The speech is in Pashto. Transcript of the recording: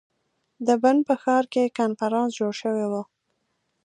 د بن په ښار کې کنفرانس جوړ شوی ؤ.